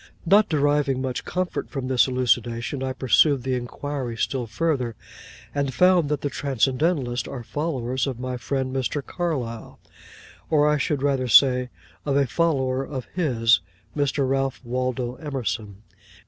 Not deriving much comfort from this elucidation, I pursued the inquiry still further, and found that the Transcendentalists are followers of my friend Mr. Carlyle, or I should rather say, of a follower of his, Mr. Ralph Waldo Emerson.